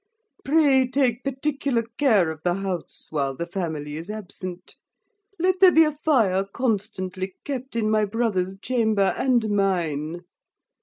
Pray take particular care of the house while the family is absent. Let there be a fire constantly kept in my brother's chamber and mine.